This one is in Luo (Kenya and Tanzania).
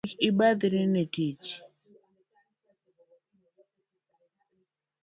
Kik ibadhri ne tich